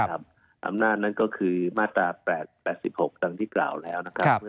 คำนาจนั้นก็คือมาตรา๘๖ตันที่เปล่าแล้ว